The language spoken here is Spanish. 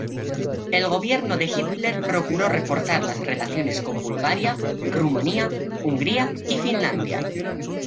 El gobierno de Hitler procuró reforzar las relaciones con Bulgaria, Rumanía, Hungría y Finlandia